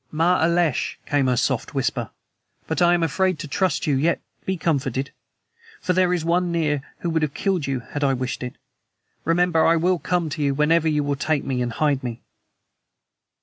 "Ma 'alesh!" came her soft whisper; "but I am afraid to trust you yet. Be comforted, for there is one near who would have killed you had I wished it. Remember, I will come to you whenever you will take me and hide me."